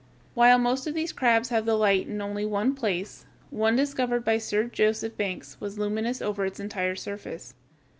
While most of these crabs have the light in only one place, one discovered by Sir Joseph Banks was luminous over its entire surface.